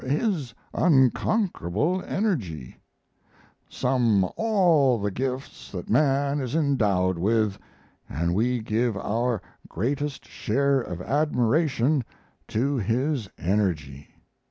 His unconquerable energy! Sum all the gifts that man is endowed with, and we give our greatest share of admiration to his energy.